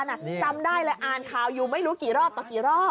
จำได้เลยอ่านข่าวอยู่ไม่รู้กี่รอบต่อกี่รอบ